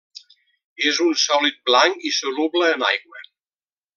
És un sòlid blanc i soluble en aigua.